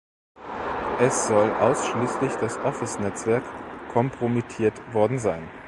Es soll ausschließlich das Office-Netzwerk kompromittiert worden sein.